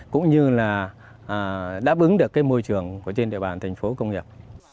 cũng như là đáp ứng được cái môi trường trên địa bàn thành phố công nghiệp